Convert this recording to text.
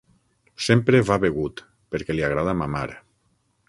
Sempre va begut perquè li agrada mamar.